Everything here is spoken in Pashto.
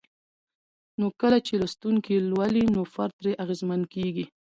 نو کله چې لوستونکي لولي نو فرد ترې اغېزمن کيږي